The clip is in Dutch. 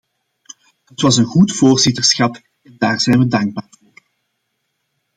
Het was een goed voorzitterschap en daar zijn we dankbaar voor.